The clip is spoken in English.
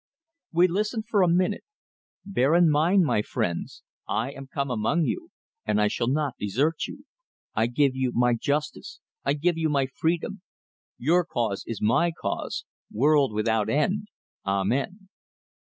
We listened for a minute. "Bear in mind, my friends, I am come among you; and I shall not desert you. I give you my justice, I give you my freedom. Your cause is my cause, world without end. Amen."